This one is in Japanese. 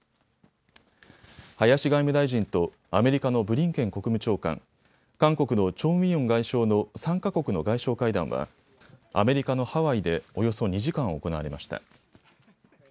林外務大臣とアメリカのブリンケン国務長官、韓国のチョン・ウィヨン外相の３か国の外相会談は、アメリカのハワイでおよそ２時間行われました。